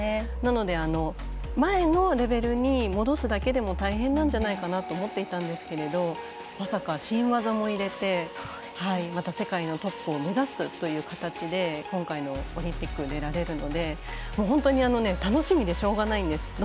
なので、前のレベルに戻すだけでも大変なんじゃないかなと思っていたんですけどまさか新技も入れてまた世界のトップを目指すということで今回のオリンピック出られるので本当に楽しみでしょうがないです。